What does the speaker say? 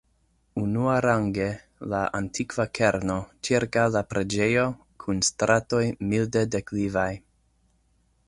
Unuarange, la antikva kerno, ĉirkaŭ la preĝejo, kun stratoj milde deklivaj.